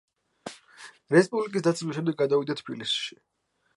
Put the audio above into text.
რესპუბლიკის დაცემის შემდეგ გადავიდა თბილისში.